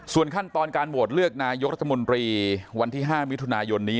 ส่วนขั้นตอนการโหวตเลือกนายกรัฐมนตรีวันที่๕มิถุนายนนี้